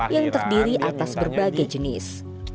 yang terdiri atas berbagai jenis